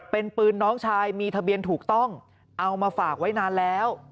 เป็นปืนน้องชายมีทะเบียนถูกต้องเอามาฝากไว้นานแล้ว